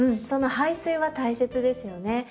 その排水は大切ですよね。